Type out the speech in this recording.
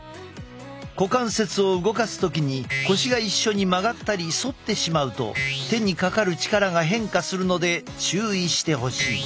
股関節を動かす時に腰が一緒に曲がったり反ってしまうと手にかかる力が変化するので注意してほしい。